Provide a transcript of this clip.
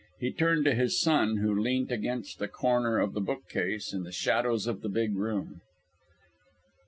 He turned to his son, who leant against a corner of the bookcase in the shadows of the big room.